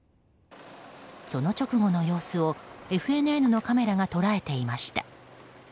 その直後の様子をＦＮＮのカメラが捉えていました。